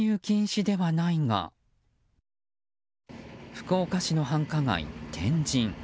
福岡市の繁華街・天神。